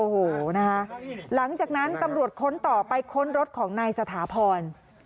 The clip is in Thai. หลังจากนั้นตำรวจค้นต่อไปค้นรถของในสถาพร